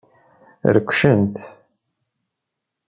Rekcen-t.